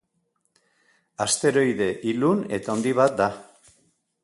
Asteroide ilun eta handi bat da.